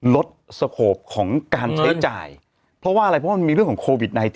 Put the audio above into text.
ลดสโขปของการใช้จ่ายเพราะว่าอะไรเพราะมันมีเรื่องของโควิด๑๙